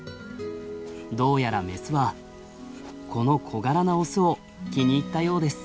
どうやらメスはこの小柄なオスを気に入ったようです。